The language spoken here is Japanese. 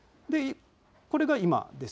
これが今です。